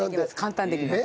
簡単にできます。